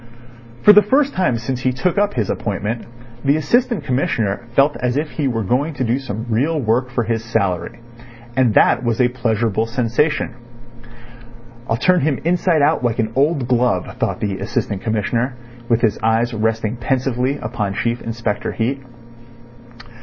For the first time since he took up his appointment the Assistant Commissioner felt as if he were going to do some real work for his salary. And that was a pleasurable sensation. "I'll turn him inside out like an old glove," thought the Assistant Commissioner, with his eyes resting pensively upon Chief Inspector Heat.